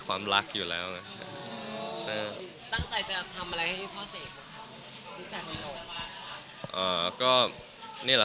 ความลักอยู่แล้วใช่ใจจะทำอะไรให้พ่อ